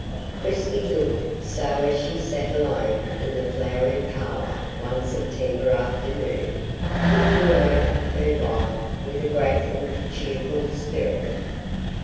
Christie looked so as she sat alone in the flowery parlor one September afternoon, thinking over her life with a grateful, cheerful spirit.